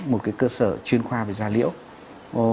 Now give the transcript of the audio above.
một cái cơ sở chuyên khoa về da liễu